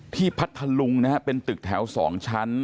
พัทธลุงนะฮะเป็นตึกแถว๒ชั้น